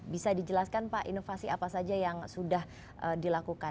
bisa dijelaskan pak inovasi apa saja yang sudah dilakukan